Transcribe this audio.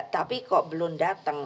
tapi kok belum dateng